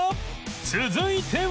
続いては